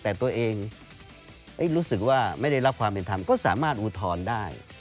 แต่ตัวเองรู้สึกว่าไม่ได้รับความเป็นธรรมก็สามารถอุทธรณ์ได้